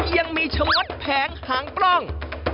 ยังมีชะมดแผงหางปล้อง